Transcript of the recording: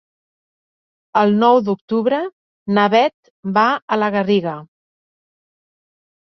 El nou d'octubre na Beth va a la Garriga.